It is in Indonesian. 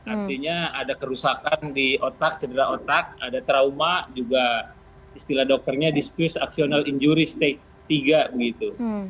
artinya ada kerusakan di otak cedera otak ada trauma juga istilah dokternya dispuse actional injury state tiga begitu